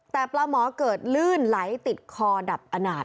แต่ปลาหมอเกิดลื่นไหลติดคอดับอนาจ